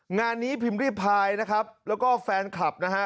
งานนี้พิมพ์ริพายนะครับแล้วก็แฟนคลับนะฮะ